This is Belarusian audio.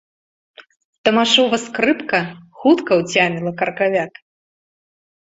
Тамашова скрыпка хутка ўцяміла кракавяк.